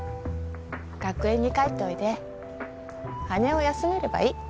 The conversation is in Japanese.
学園に帰っておいで羽を休めればいい